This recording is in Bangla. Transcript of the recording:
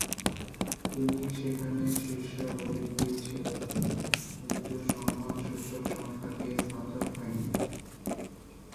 তিনি সেখানে শীর্ষ গণিতবিদ ছিলেন, কিন্তু সম্মানসূচক সংখ্যা দিয়ে স্নাতক হয়নি।